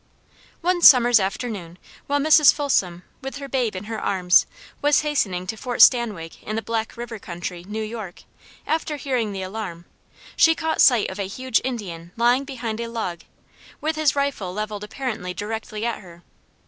One summer's afternoon, while Mrs. Folsom, with her babe in her arms, was hasting to Fort Stanwig in the Black River Country, New York, after hearing the alarm, she caught sight of a huge Indian lying behind a log, with his rifle leveled apparently directly at her.